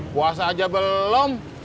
puasa aja belum